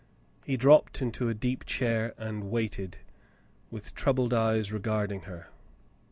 He dropped into a deep chair and waited, with troubled eyes regarding her.